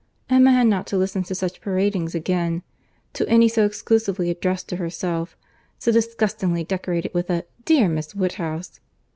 Emma had not to listen to such paradings again—to any so exclusively addressed to herself—so disgustingly decorated with a "dear Miss Woodhouse."